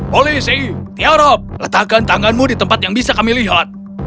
polisi tia rob letakkan tanganmu di tempat yang bisa kami lihat